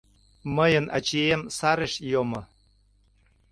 Мыйын ачием сареш йомо